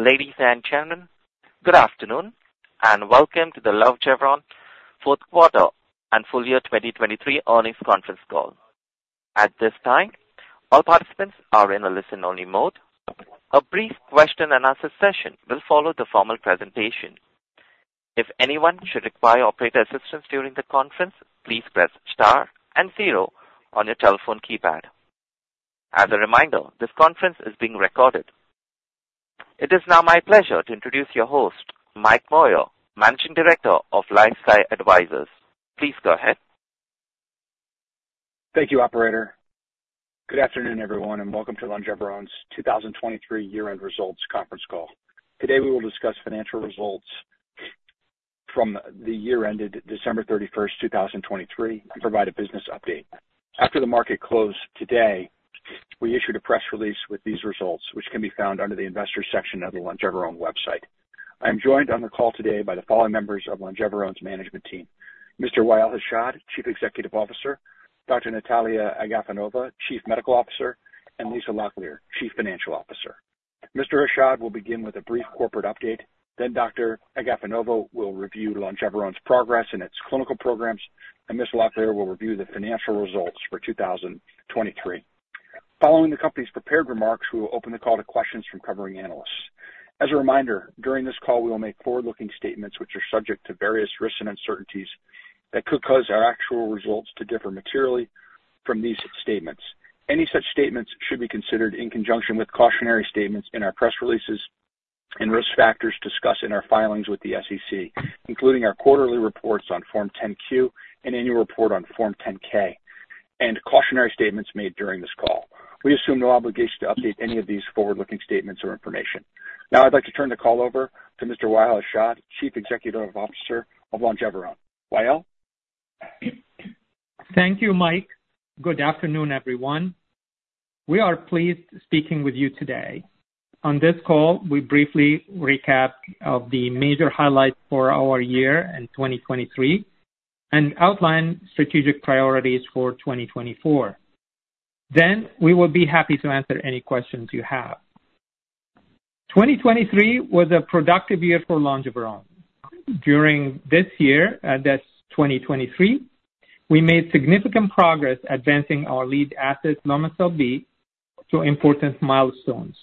Ladies and gentlemen, good afternoon, and welcome to the Longeveron fourth quarter and full year 2023 earnings conference call. At this time, all participants are in a listen-only mode. A brief question-and-answer session will follow the formal presentation. If anyone should require operator assistance during the conference, please press star and zero on your telephone keypad. As a reminder, this conference is being recorded. It is now my pleasure to introduce your host, Mike Moyer, Managing Director of LifeSci Advisors. Please go ahead. Thank you, Operator. Good afternoon everyone and welcome to Longeveron's 2023 year-end results conference call. Today we will discuss financial results from the year-ended December 31st, 2023 and provide a business update. After the market closed today, we issued a press release with these results which can be found under the Investors section of the Longeveron website. I am joined on the call today by the following members of Longeveron's management team: Mr. Wa'el Hashad, Chief Executive Officer; Dr. Nataliya Agafonova, Chief Medical Officer; and Lisa Locklear, Chief Financial Officer. Mr. Hashad will begin with a brief corporate update, then Dr. Agafonova will review Longeveron's progress in its clinical programs and Ms. Locklear will review the financial results for 2023. Following the company's prepared remarks, we will open the call to questions from covering analysts. As a reminder, during this call we will make forward-looking statements which are subject to various risks and uncertainties that could cause our actual results to differ materially from these statements. Any such statements should be considered in conjunction with cautionary statements in our press releases and risk factors discussed in our filings with the SEC including our quarterly reports on Form 10-Q and annual report on Form 10-K and cautionary statements made during this call. We assume no obligation to update any of these forward-looking statements or information. Now I'd like to turn the call over to Mr. Wa'el Hashad, Chief Executive Officer of Longeveron. Wa'el? Thank you Mike. Good afternoon everyone. We are pleased speaking with you today. On this call we briefly recap of the major highlights for our year in 2023 and outline strategic priorities for 2024. Then we will be happy to answer any questions you have. 2023 was a productive year for Longeveron. During this year that's 2023 we made significant progress advancing our lead asset Lomecel-B to important milestones.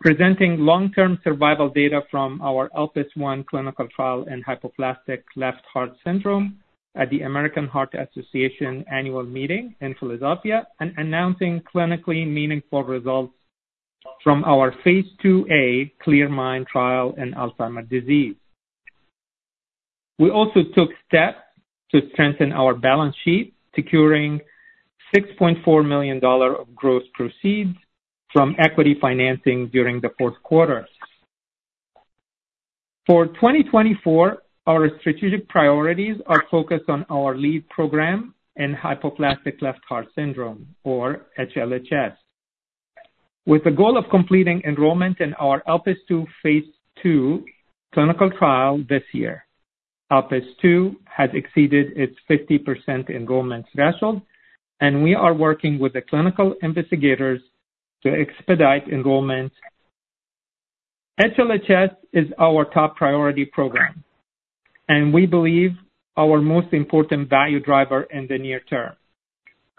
Presenting long-term survival data from our ELPIS I clinical trial in hypoplastic left heart syndrome at the American Heart Association annual meeting in Philadelphia and announcing clinically meaningful results from phase II-A CLEAR MIND trial in Alzheimer's disease. We also took steps to strengthen our balance sheet securing $6.4 million of gross proceeds from equity financing during the fourth quarter. For 2024 our strategic priorities are focused on our lead program in hypoplastic left heart syndrome or HLHS with the goal of completing enrollment in our ELPIS II phase II clinical trial this year. ELPIS II has exceeded its 50% enrollment threshold and we are working with the clinical investigators to expedite enrollment. HLHS is our top priority program and we believe our most important value driver in the near term.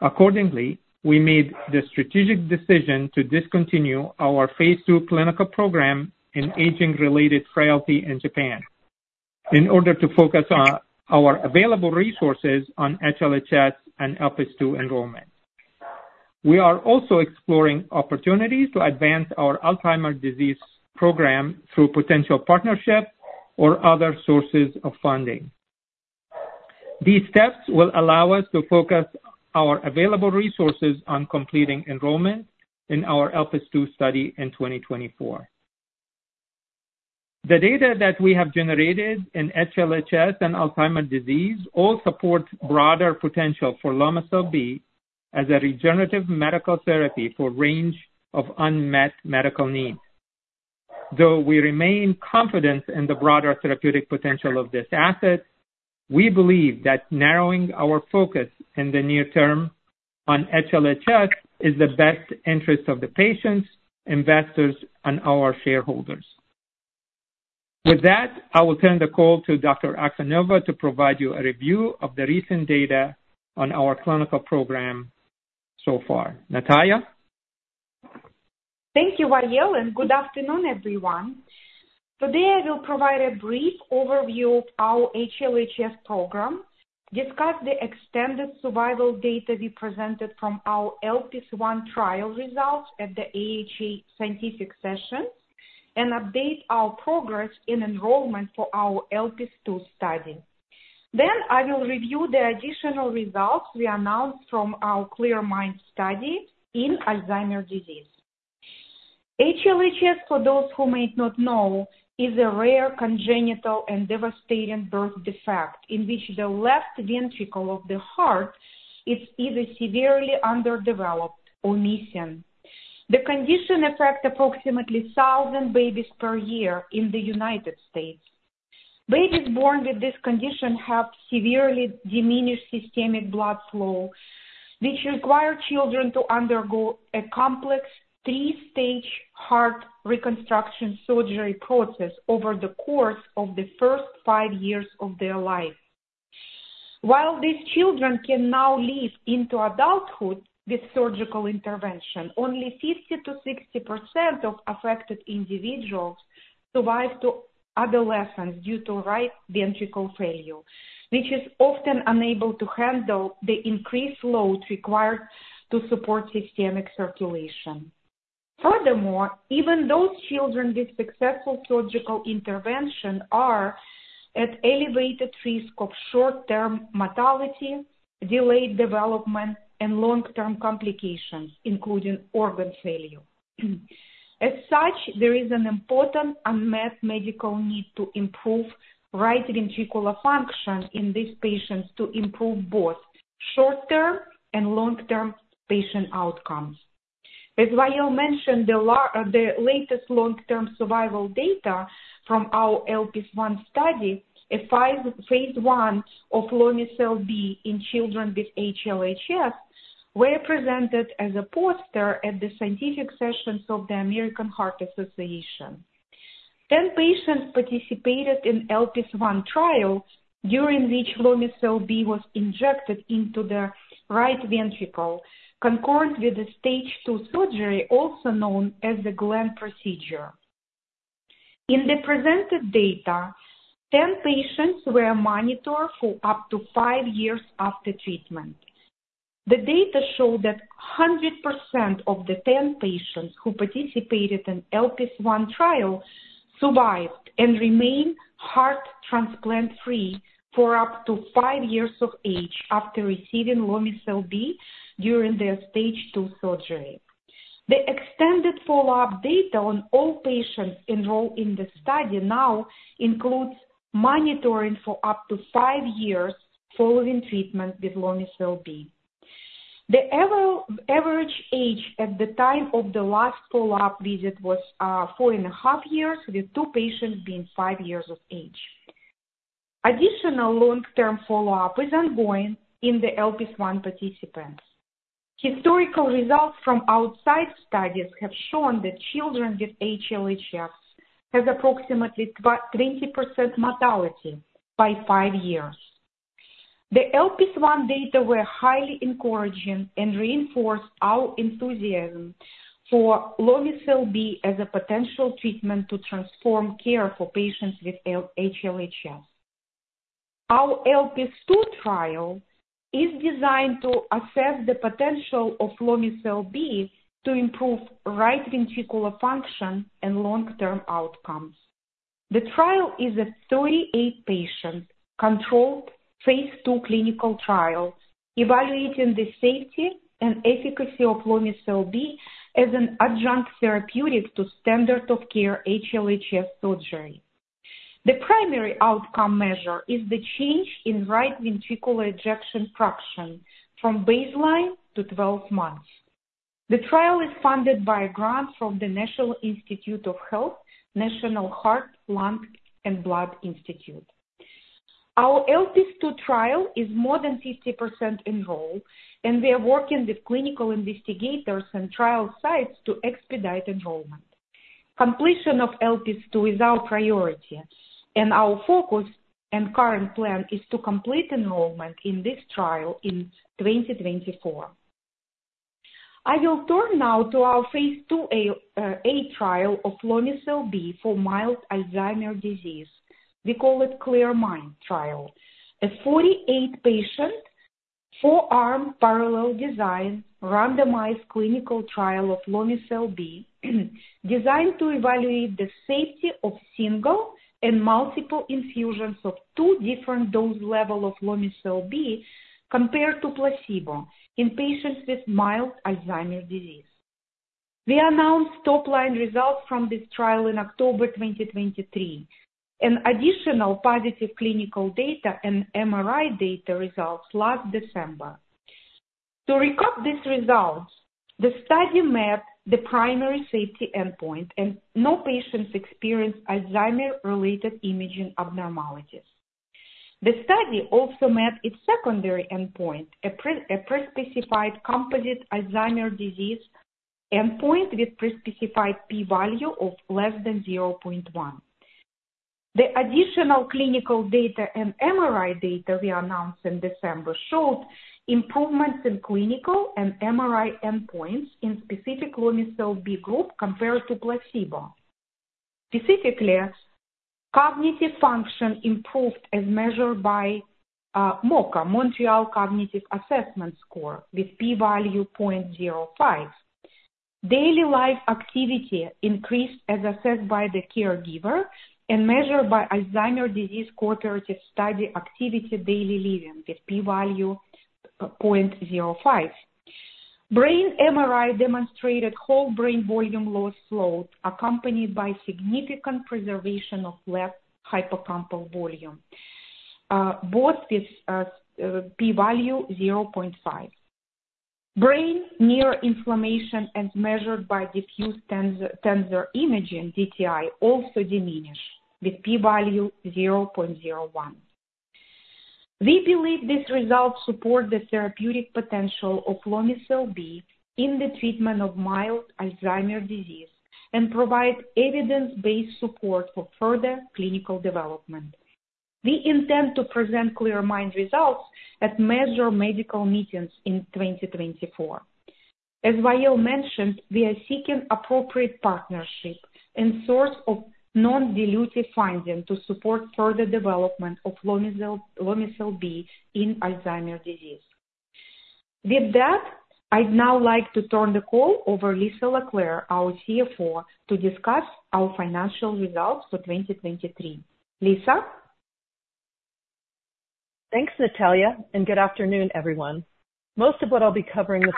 Accordingly we made the strategic decision to discontinue our phase II clinical program in aging-related frailty in Japan in order to focus our available resources on HLHS and ELPIS II enrollment. We are also exploring opportunities to advance our Alzheimer's disease program through potential partnerships or other sources of funding. These steps will allow us to focus our available resources on completing enrollment in our ELPIS II study in 2024. The data that we have generated in HLHS and Alzheimer's disease all support broader potential for Lomecel-B as a regenerative medical therapy for a range of unmet medical needs. Though we remain confident in the broader therapeutic potential of this asset, we believe that narrowing our focus in the near term on HLHS is the best interest of the patients, investors, and our shareholders. With that I will turn the call to Dr. Agafonova to provide you a review of the recent data on our clinical program so far. Nataliya? Thank you Wa'el and good afternoon everyone. Today I will provide a brief overview of our HLHS program, discuss the extended survival data we presented from our ELPIS I trial results at the AHA scientific session, and update our progress in enrollment for our ELPIS II study. Then I will review the additional results we announced from our CLEAR MIND study in Alzheimer's disease. HLHS for those who might not know is a rare congenital and devastating birth defect in which the left ventricle of the heart is either severely underdeveloped or missing. The condition affects approximately 1,000 babies per year in the United States. Babies born with this condition have severely diminished systemic blood flow which requires children to undergo a complex three-stage heart reconstruction surgery process over the course of the first five years of their life. While these children can now live into adulthood with surgical intervention, only 50%-60% of affected individuals survive to adolescence due to right ventricle failure which is often unable to handle the increased load required to support systemic circulation. Furthermore, even those children with successful surgical intervention are at elevated risk of short-term mortality, delayed development, and long-term complications including organ failure. As such, there is an important unmet medical need to improve right ventricular function in these patients to improve both short-term and long-term patient outcomes. As Wa'el mentioned, the latest long-term survival data from our ELPIS I study, phase I of Lomecel-B in children with HLHS, were presented as a poster at the scientific sessions of the American Heart Association. 10 patients participated in ELPIS I trial during which Lomecel-B was injected into the right ventricle concurrent with the Stage 2 surgery also known as the Glenn Procedure. In the presented data 10 patients were monitored for up to five years after treatment. The data showed that 100% of the 10 patients who participated in ELPIS I trial survived and remained heart transplant-free for up to five years of age after receiving Lomecel-B during their Stage 2 surgery. The extended follow-up data on all patients enrolled in the study now includes monitoring for up to five years following treatment with Lomecel-B. The average age at the time of the last follow-up visit was 4.5 years with two patients being five years of age. Additional long-term follow-up is ongoing in the ELPIS I participants. Historical results from outside studies have shown that children with HLHS have approximately 20% mortality by five years. The ELPIS I data were highly encouraging and reinforced our enthusiasm for Lomecel-B as a potential treatment to transform care for patients with HLHS. Our ELPIS II trial is designed to assess the potential of Lomecel-B to improve right ventricular function and long-term outcomes. The trial is a 38-patient controlled phase II clinical trial evaluating the safety and efficacy of Lomecel-B as an adjunct therapeutic to standard-of-care HLHS surgery. The primary outcome measure is the change in right ventricular ejection fraction from baseline to 12 months. The trial is funded by a grant from the National Institutes of Health National Heart, Lung, and Blood Institute. Our ELPIS II trial is more than 50% enrolled and we are working with clinical investigators and trial sites to expedite enrollment. Completion of ELPIS II is our priority and our focus and current plan is to complete enrollment in this trial in 2024. I will turn now to our phase II-A trial of Lomecel-B for mild Alzheimer's disease. We call it CLEAR MIND trial. A 48-patient four-arm parallel design randomized clinical trial of Lomecel-B designed to evaluate the safety of single and multiple infusions of two different dose levels of Lomecel-B compared to placebo in patients with mild Alzheimer's disease. We announced top-line results from this trial in October 2023 and additional positive clinical data and MRI data results last December. To recap these results, the study met the primary safety endpoint and no patients experienced Alzheimer's-related imaging abnormalities. The study also met its secondary endpoint, a prespecified composite Alzheimer's disease endpoint with prespecified p-value of less than 0.1. The additional clinical data and MRI data we announced in December showed improvements in clinical and MRI endpoints in specific Lomecel-B group compared to placebo. Specifically cognitive function improved as measured by MoCA Montreal Cognitive Assessment score with p-value 0.05. Daily life activity increased as assessed by the caregiver and measured by Alzheimer's Disease Cooperative Study Activities of Daily Living with p-value 0.05. Brain MRI demonstrated whole brain volume loss slowed accompanied by significant preservation of left hippocampal volume both with p-value 0.5. Brain neuroinflammation as measured by diffusion tensor imaging DTI also diminished with p-value 0.01. We believe these results support the therapeutic potential of Lomecel-B in the treatment of mild Alzheimer's disease and provide evidence-based support for further clinical development. We intend to present CLEAR MIND results at major medical meetings in 2024. As Wa'el mentioned, we are seeking appropriate partnership and source of non-dilutive funding to support further development of Lomecel-B in Alzheimer's disease. With that, I'd now like to turn the call over to Lisa Locklear, our CFO, to discuss our financial results for 2023. Lisa? Thanks Nataliya and good afternoon everyone. Most of what I'll be covering this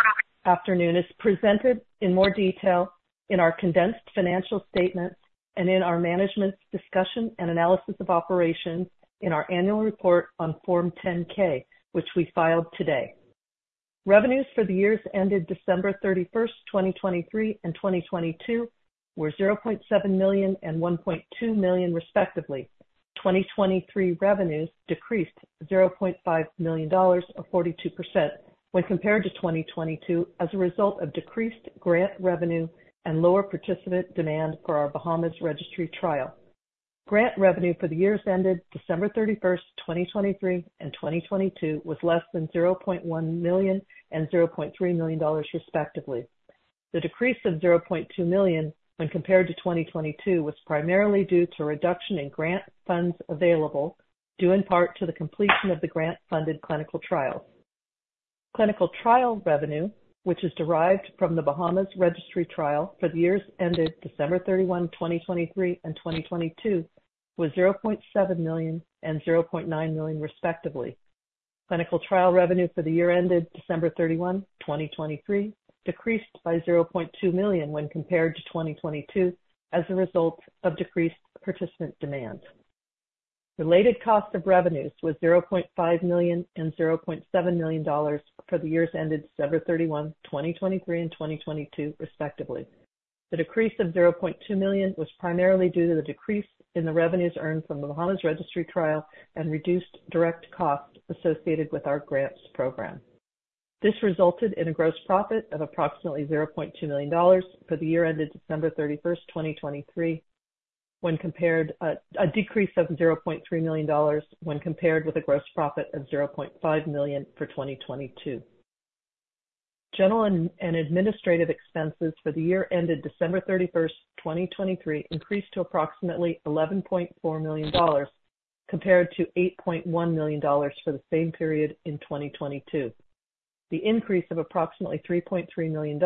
afternoon is presented in more detail in our condensed financial statement and in our management discussion and analysis of operations in our annual report on Form 10-K, which we filed today. Revenues for the years ended December 31st, 2023 and 2022 were $0.7 million and $1.2 million respectively. 2023 revenues decreased $0.5 million or 42% when compared to 2022 as a result of decreased grant revenue and lower participant demand for our Bahamas Registry Trial. Grant revenue for the years ended December 31st, 2023 and 2022 was less than $0.1 million and $0.3 million respectively. The decrease of $0.2 million when compared to 2022 was primarily due to reduction in grant funds available due in part to the completion of the grant-funded clinical trials. Clinical trial revenue which is derived from the Bahamas Registry Trial for the years ended December 31, 2023 and 2022 was $0.7 million and $0.9 million respectively. Clinical trial revenue for the year ended December 31, 2023 decreased by $0.2 million when compared to 2022 as a result of decreased participant demand. Related cost of revenues was $0.5 million and $0.7 million for the years ended December 31, 2023 and 2022 respectively. The decrease of $0.2 million was primarily due to the decrease in the revenues earned from the Bahamas Registry Trial and reduced direct costs associated with our grants program. This resulted in a gross profit of approximately $0.2 million for the year ended December 31st, 2023 when compared a decrease of $0.3 million when compared with a gross profit of $0.5 million for 2022. General and administrative expenses for the year ended December 31, 2023 increased to approximately $11.4 million compared to $8.1 million for the same period in 2022. The increase of approximately $3.3 million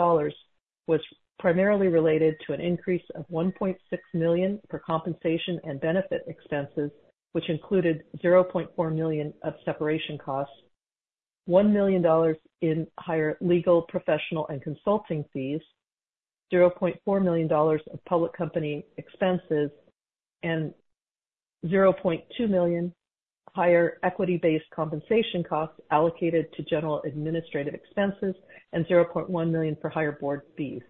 was primarily related to an increase of $1.6 million for compensation and benefit expenses which included $0.4 million of separation costs, $1 million in higher legal professional and consulting fees, $0.4 million of public company expenses, and $0.2 million higher equity-based compensation costs allocated to general administrative expenses and $0.1 million for higher Board fees.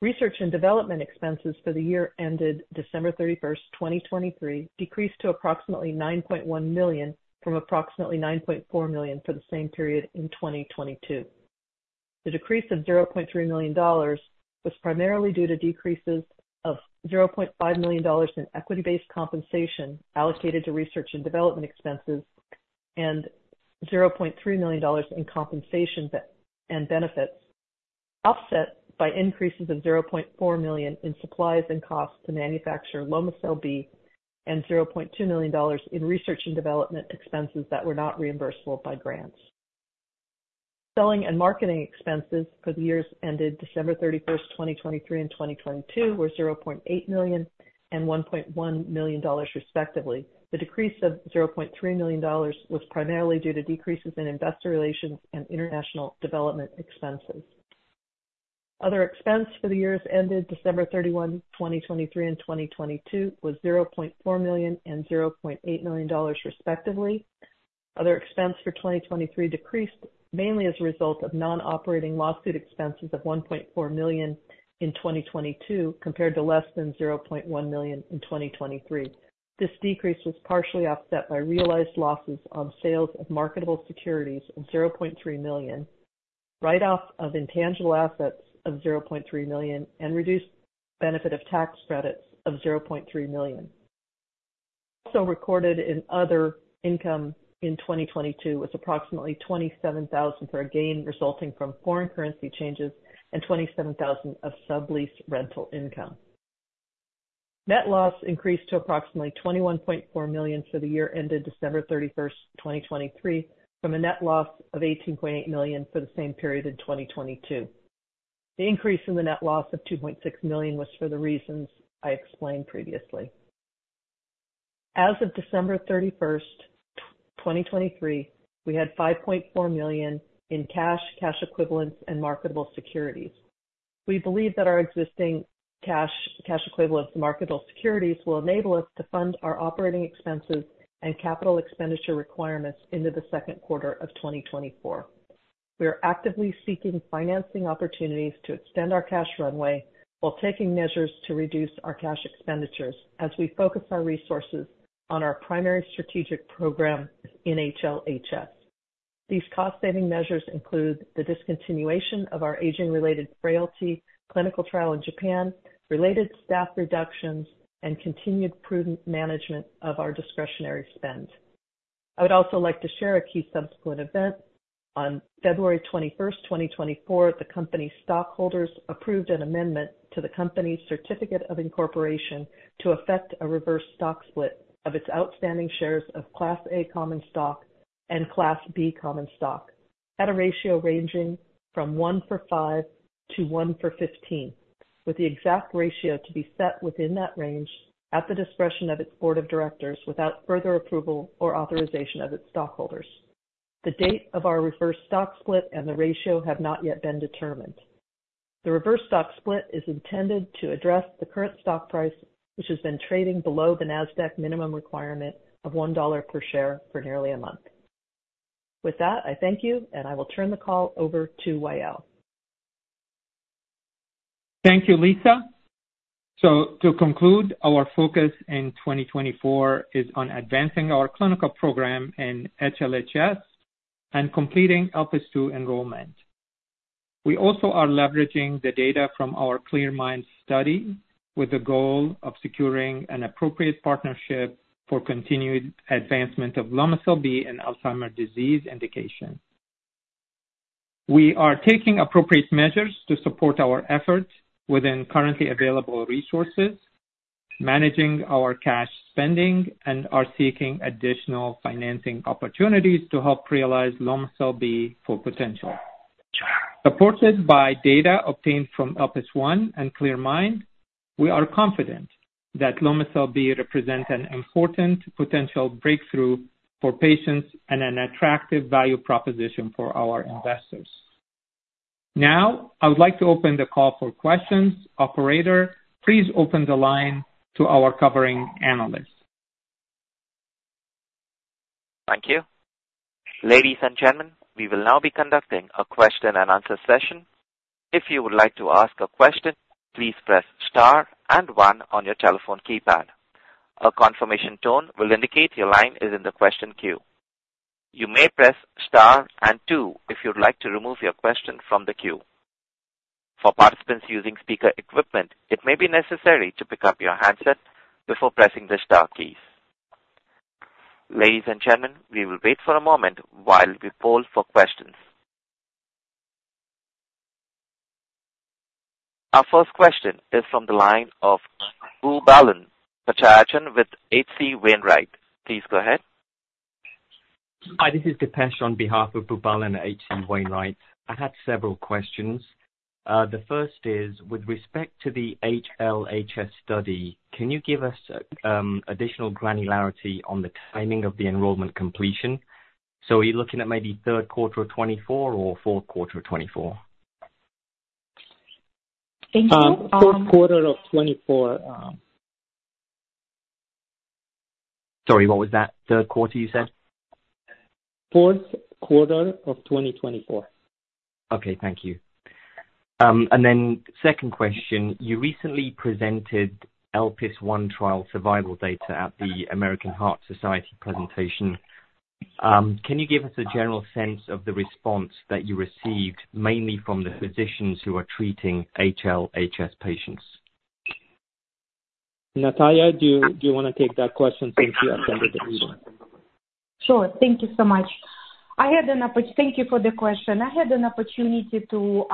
Research and development expenses for the year ended December 31st, 2023 decreased to approximately $9.1 million from approximately $9.4 million for the same period in 2022. The decrease of $0.3 million was primarily due to decreases of $0.5 million in equity-based compensation allocated to research and development expenses and $0.3 million in compensation and benefits offset by increases of $0.4 million in supplies and costs to manufacture Lomecel-B and $0.2 million in research and development expenses that were not reimbursable by grants. Selling and marketing expenses for the years ended December 31st, 2023 and 2022 were $0.8 million and $1.1 million respectively. The decrease of $0.3 million was primarily due to decreases in investor relations and international development expenses. Other expense for the years ended December 31st, 2023 and 2022 was $0.4 million and $0.8 million respectively. Other expense for 2023 decreased mainly as a result of non-operating lawsuit expenses of $1.4 million in 2022 compared to less than $0.1 million in 2023. This decrease was partially offset by realized losses on sales of marketable securities of $0.3 million, write-off of intangible assets of $0.3 million, and reduced benefit of tax credits of $0.3 million. Also recorded in other income in 2022 was approximately $27,000 for a gain resulting from foreign currency changes and $27,000 of sublease rental income. Net loss increased to approximately $21.4 million for the year ended December 31st, 2023 from a net loss of $18.8 million for the same period in 2022. The increase in the net loss of $2.6 million was for the reasons I explained previously. As of December 31st, 2023, we had $5.4 million in cash, cash equivalents, and marketable securities. We believe that our existing cash equivalents and marketable securities will enable us to fund our operating expenses and capital expenditure requirements into the second quarter of 2024. We are actively seeking financing opportunities to extend our cash runway while taking measures to reduce our cash expenditures as we focus our resources on our primary strategic program in HLHS. These cost-saving measures include the discontinuation of our aging-related frailty clinical trial in Japan, related staff reductions, and continued prudent management of our discretionary spend. I would also like to share a key subsequent event. On February 21st, 2024, the company's stockholders approved an amendment to the company's certificate of incorporation to effect a reverse stock split of its outstanding shares of Class A common stock and Class B common stock at a ratio ranging from 1-for-5 to 1-for-15 with the exact ratio to be set within that range at the discretion of its Board of Directors without further approval or authorization of its stockholders. The date of our reverse stock split and the ratio have not yet been determined. The reverse stock split is intended to address the current stock price which has been trading below the Nasdaq minimum requirement of $1 per share for nearly a month. With that, I thank you and I will turn the call over to Wa'el. Thank you, Lisa. So to conclude, our focus in 2024 is on advancing our clinical program in HLHS and completing ELPIS II enrollment. We also are leveraging the data from our CLEAR MIND study with the goal of securing an appropriate partnership for continued advancement of Lomecel-B in Alzheimer's disease indication. We are taking appropriate measures to support our efforts within currently available resources, managing our cash spending, and are seeking additional financing opportunities to help realize Lomecel-B full potential. Supported by data obtained from ELPIS I and CLEAR MIND, we are confident that Lomecel-B represents an important potential breakthrough for patients and an attractive value proposition for our investors. Now I would like to open the call for questions. Operator, please open the line to our covering analyst. Thank you. Ladies and gentlemen, we will now be conducting a question-and-answer session. If you would like to ask a question, please press star and one on your telephone keypad. A confirmation tone will indicate your line is in the question queue. You may press star and two if you would like to remove your question from the queue. For participants using speaker equipment, it may be necessary to pick up your handset before pressing the star keys. Ladies and gentlemen, we will wait for a moment while we poll for questions. Our first question is from the line of Boobalan Pachaiyappan with H.C. Wainwright. Please go ahead. Hi, this is Dipesh on behalf of Boobalan at H.C. Wainwright. I had several questions. The first is with respect to the HLHS study, can you give us additional granularity on the timing of the enrollment completion? So are you looking at maybe third quarter of 2024 or fourth quarter of 2024? Thank you. Fourth quarter of 2024. Sorry, what was that? Third quarter you said? Fourth quarter of 2024. Okay, thank you. And then second question, you recently presented ELPIS I trial survival data at the American Heart Association presentation. Can you give us a general sense of the response that you received mainly from the physicians who are treating HLHS patients? Nataliya, do you want to take that question since you attended the meeting? Sure. Thank you so much. Thank you for the question. I had an opportunity to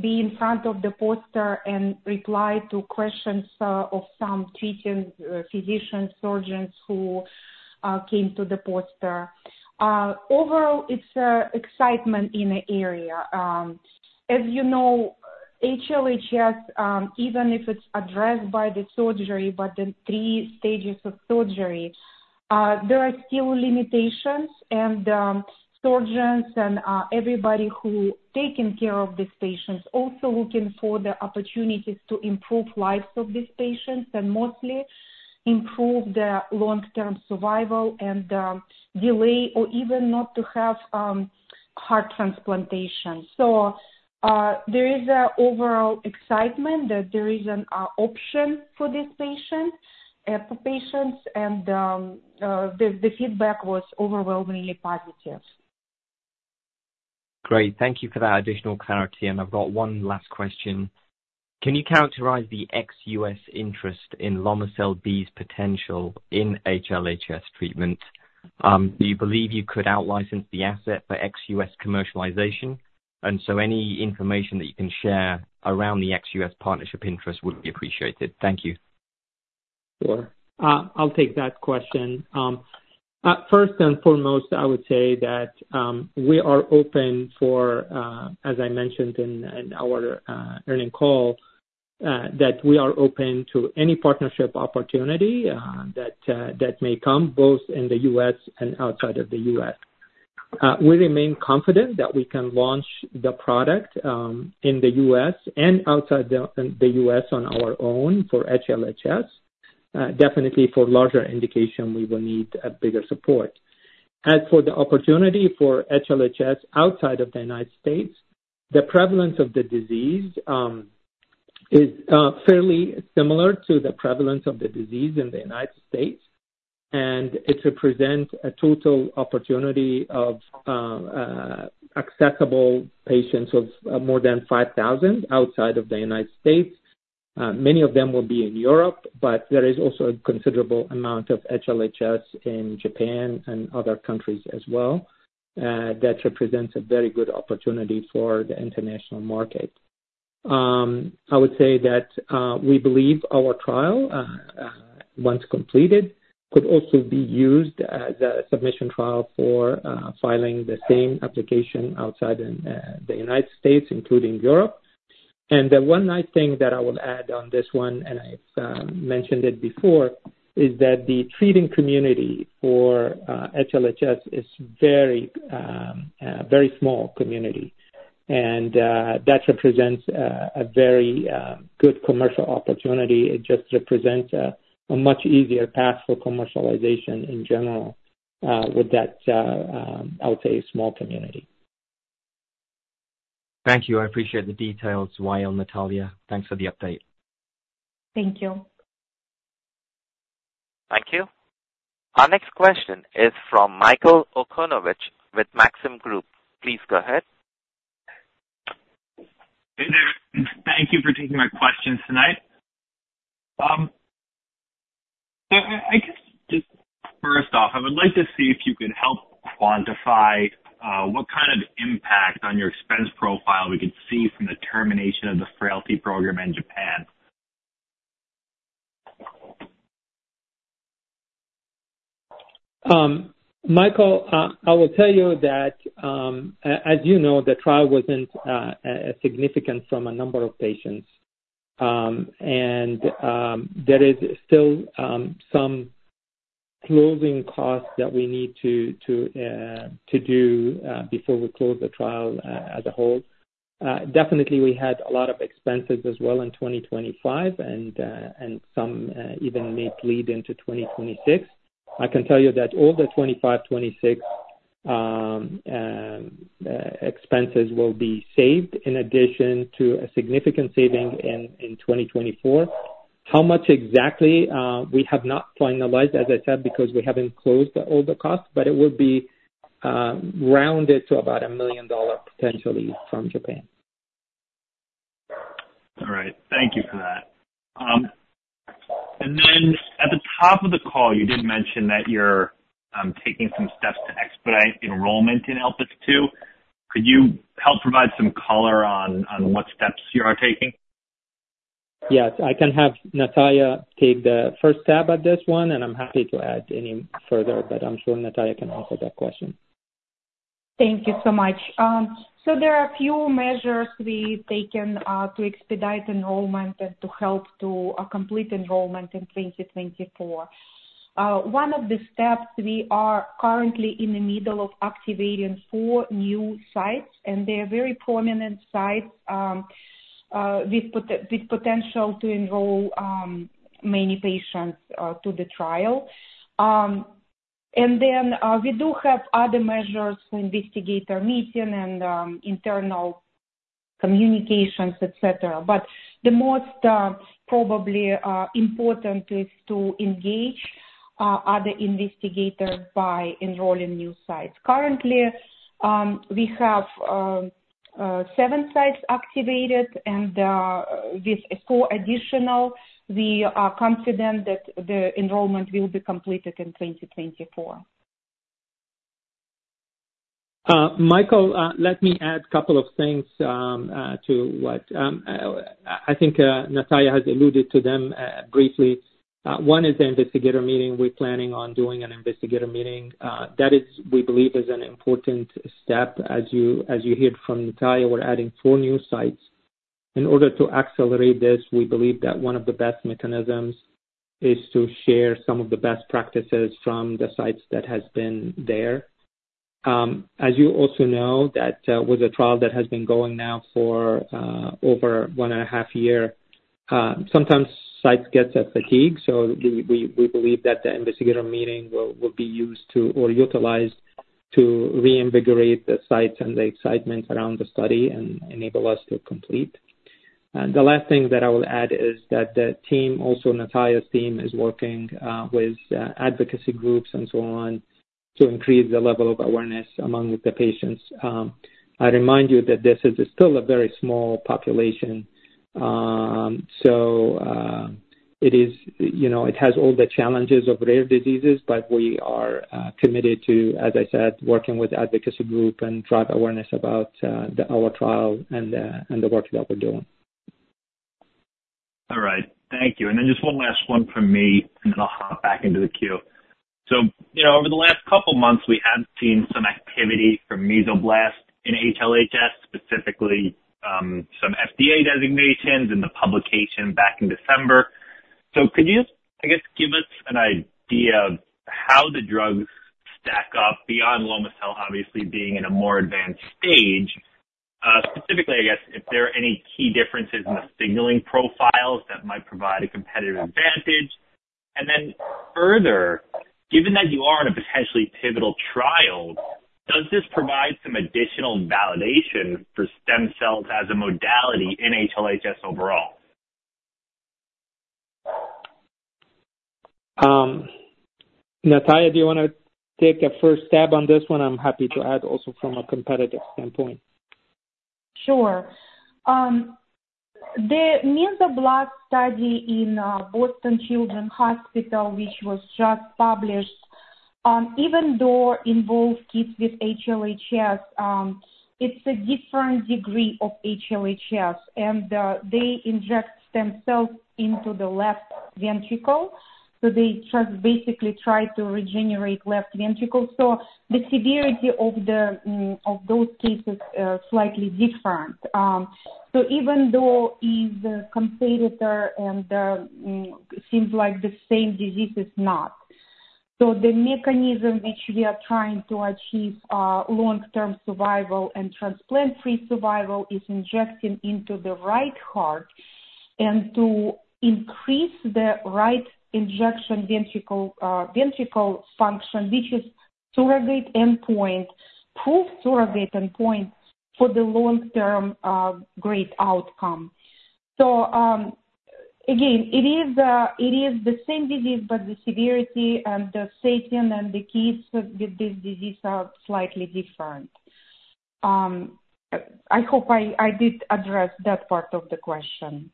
be in front of the poster and reply to questions of some treating physicians, surgeons who came to the poster. Overall, it's excitement in the area. As you know, HLHS, even if it's addressed by the surgery but the three stages of surgery, there are still limitations and surgeons and everybody who is taking care of these patients also looking for the opportunities to improve lives of these patients and mostly improve their long-term survival and delay or even not to have heart transplantation. So there is an overall excitement that there is an option for these patients and the feedback was overwhelmingly positive. Great. Thank you for that additional clarity. And I've got one last question. Can you characterize the ex-U.S. interest in Lomecel-B's potential in HLHS treatment? Do you believe you could outlicense the asset for ex-U.S. commercialization? And so any information that you can share around the ex-U.S. partnership interest would be appreciated. Thank you. Sure. I'll take that question. First and foremost, I would say that we are open for, as I mentioned in our earnings call, that we are open to any partnership opportunity that may come both in the U.S. and outside of the U.S. We remain confident that we can launch the product in the U.S. and outside the U.S. on our own for HLHS. Definitely, for larger indication, we will need a bigger support. As for the opportunity for HLHS outside of the United States, the prevalence of the disease is fairly similar to the prevalence of the disease in the United States. And it represents a total opportunity of accessible patients of more than 5,000 outside of the United States. Many of them will be in Europe, but there is also a considerable amount of HLHS in Japan and other countries as well that represents a very good opportunity for the international market. I would say that we believe our trial, once completed, could also be used as a submission trial for filing the same application outside the United States, including Europe. And the one nice thing that I will add on this one, and I've mentioned it before, is that the treating community for HLHS is a very small community. And that represents a very good commercial opportunity. It just represents a much easier path for commercialization in general with that, I would say, small community. Thank you. I appreciate the details, Wa'el, Nataliya. Thanks for the update. Thank you. Thank you. Our next question is from Michael Okunewitch with Maxim Group. Please go ahead. Thank you for taking my questions tonight. So I guess just first off, I would like to see if you could help quantify what kind of impact on your expense profile we could see from the termination of the frailty program in Japan. Michael, I will tell you that, as you know, the trial wasn't significant from a number of patients. There is still some closing costs that we need to do before we close the trial as a whole. Definitely, we had a lot of expenses as well in 2025 and some even may lead into 2026. I can tell you that all the 2025, 2026 expenses will be saved in addition to a significant saving in 2024. How much exactly, we have not finalized, as I said, because we haven't closed all the costs, but it will be rounded to about $1 million potentially from Japan. All right. Thank you for that. And then at the top of the call, you did mention that you're taking some steps to expedite enrollment in ELPIS II. Could you help provide some color on what steps you are taking? Yes. I can have Nataliya take the first stab at this one, and I'm happy to add any further, but I'm sure Nataliya can answer that question. Thank you so much. So there are a few measures we've taken to expedite enrollment and to help to complete enrollment in 2024. One of the steps, we are currently in the middle of activating four new sites, and they are very prominent sites with potential to enroll many patients to the trial. And then we do have other measures for investigator meeting and internal communications, etc. But the most probably important is to engage other investigators by enrolling new sites. Currently, we have seven sites activated, and with four additional, we are confident that the enrollment will be completed in 2024. Michael, let me add a couple of things to what I think Nataliya has alluded to them briefly. One is the investigator meeting. We're planning on doing an investigator meeting. That is, we believe, an important step. As you heard from Nataliya, we're adding four new sites. In order to accelerate this, we believe that one of the best mechanisms is to share some of the best practices from the sites that have been there. As you also know, with the trial that has been going now for over one and a half year, sometimes sites get a fatigue. So we believe that the investigator meeting will be used or utilized to reinvigorate the sites and the excitement around the study and enable us to complete. The last thing that I will add is that the team, also Nataliya's team, is working with advocacy groups and so on to increase the level of awareness among the patients. I remind you that this is still a very small population. It has all the challenges of rare diseases, but we are committed to, as I said, working with advocacy group and drive awareness about our trial and the work that we're doing. All right. Thank you. And then just one last one from me, and then I'll hop back into the queue. So over the last couple of months, we have seen some activity for Mesoblast in HLHS, specifically some FDA designations and the publication back in December. So could you, I guess, give us an idea of how the drugs stack up beyond Lomecel, obviously, being in a more advanced stage? Specifically, I guess, if there are any key differences in the signaling profiles that might provide a competitive advantage. And then further, given that you are in a potentially pivotal trial, does this provide some additional validation for stem cells as a modality in HLHS overall? Nataliya, do you want to take a first stab on this one? I'm happy to add also from a competitive standpoint. Sure. The Mesoblast study in Boston Children's Hospital, which was just published, even though it involves kids with HLHS, it's a different degree of HLHS. And they inject stem cells into the left ventricle. So they basically try to regenerate left ventricle. So the severity of those cases is slightly different. So even though it's a competitor and seems like the same disease, it's not. So the mechanism which we are trying to achieve long-term survival and transplant-free survival is injecting into the right heart and to increase the right ventricular function, which is surrogate endpoint, proved surrogate endpoint for the long-term great outcome. So again, it is the same disease, but the severity and the staging and the kids with this disease are slightly different. I hope I did address that part of the question.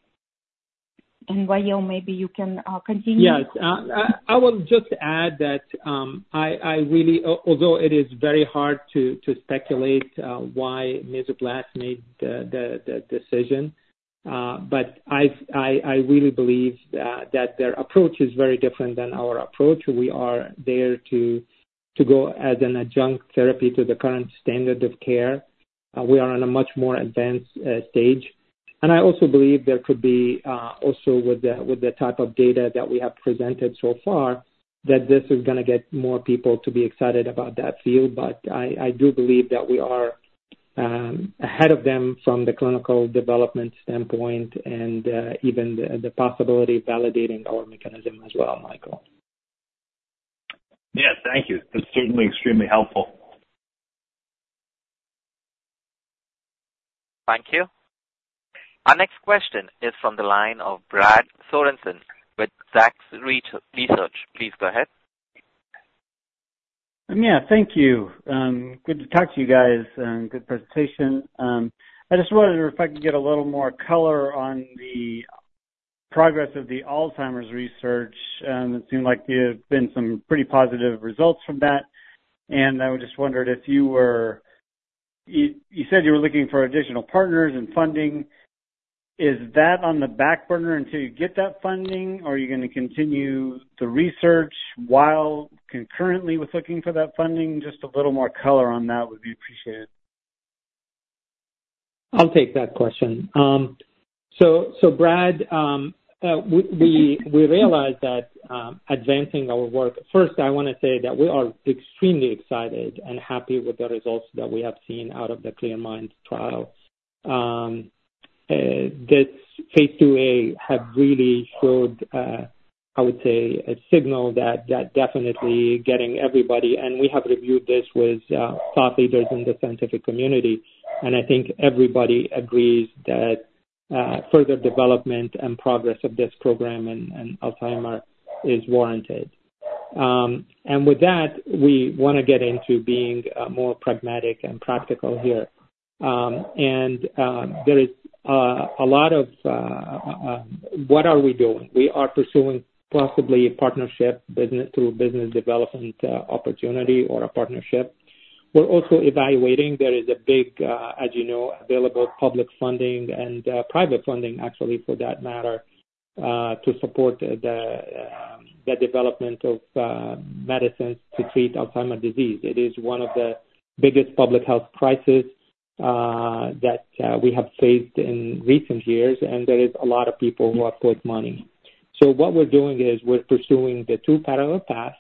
And Wa'el, maybe you can continue. Yes. I will just add that I really, although it is very hard to speculate why Mesoblast made the decision, but I really believe that their approach is very different than our approach. We are there to go as an adjunct therapy to the current standard of care. We are on a much more advanced stage. And I also believe there could be also with the type of data that we have presented so far that this is going to get more people to be excited about that field. But I do believe that we are ahead of them from the clinical development standpoint and even the possibility of validating our mechanism as well, Michael. Yes. Thank you. That's certainly extremely helpful. Thank you. Our next question is from the line of Brad Sorensen with Zacks Research. Please go ahead. Yeah. Thank you. Good to talk to you guys. Good presentation. I just wanted to, if I could, get a little more color on the progress of the Alzheimer's research. It seemed like there have been some pretty positive results from that. And I just wondered if you were, you said you were looking for additional partners and funding. Is that on the back burner until you get that funding, or are you going to continue the research while concurrently with looking for that funding? Just a little more color on that would be appreciated. I'll take that question. So Brad, we realize that advancing our work first, I want to say that we are extremely excited and happy with the results that we have seen out of the CLEAR MIND trial. This phase II-A has really showed, I would say, a signal that definitely getting everybody and we have reviewed this with thought leaders in the scientific community. I think everybody agrees that further development and progress of this program in Alzheimer's is warranted. With that, we want to get into being more pragmatic and practical here. There is a lot of what are we doing? We are pursuing possibly a partnership through business development opportunity or a partnership. We're also evaluating. There is a big, as you know, available public funding and private funding, actually, for that matter, to support the development of medicines to treat Alzheimer's disease. It is one of the biggest public health crises that we have faced in recent years, and there is a lot of people who have put money. So what we're doing is we're pursuing the two parallel paths,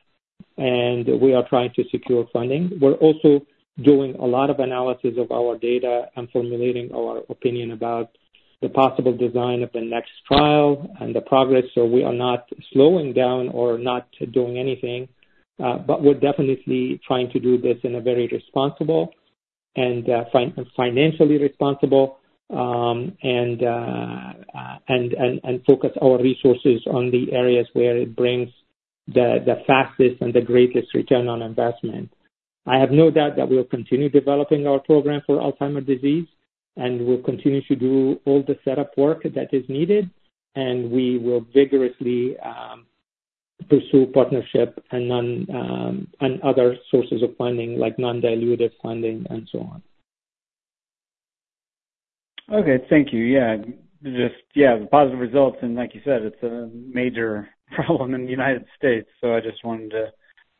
and we are trying to secure funding. We're also doing a lot of analysis of our data and formulating our opinion about the possible design of the next trial and the progress. So we are not slowing down or not doing anything, but we're definitely trying to do this in a very responsible and financially responsible and focus our resources on the areas where it brings the fastest and the greatest return on investment. I have no doubt that we'll continue developing our program for Alzheimer's disease, and we'll continue to do all the setup work that is needed. And we will vigorously pursue partnership and other sources of funding like non-dilutive funding and so on. Okay. Thank you. Yeah. Yeah. The positive results. And like you said, it's a major problem in the United States. So, I just wanted to,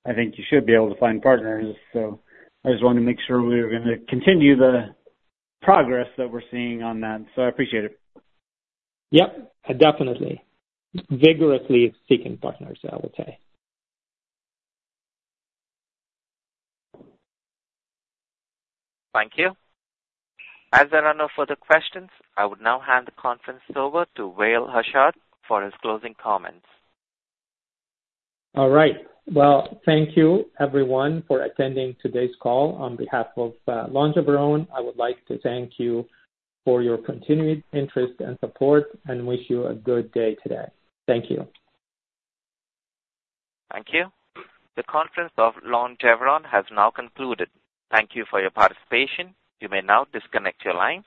I think, you should be able to find partners. So, I just wanted to make sure we were going to continue the progress that we're seeing on that. So, I appreciate it. Yep. Definitely. Vigorously seeking partners, I would say. Thank you. As there are no further questions, I would now hand the conference over to Wa'el Hashad for his closing comments. All right. Well, thank you, everyone, for attending today's call. On behalf of Longeveron, I would like to thank you for your continued interest and support and wish you a good day today. Thank you. Thank you. The conference of Longeveron has now concluded. Thank you for your participation. You may now disconnect your lines.